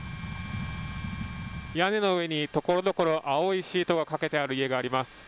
屋根の上にところどころ青いシートがかけてある家があります。